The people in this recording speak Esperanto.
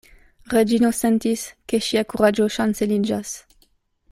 Reĝino sentis, ke ŝia kuraĝo ŝanceliĝas.